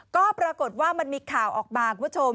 ก็ปรากฏว่ามันมีข่าวออกมาคุณผู้ชม